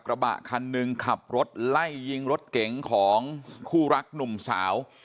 กระบะคันหนึ่งขับรถไล่ยิงรถเก๋งของคู่รักหนุ่มสาว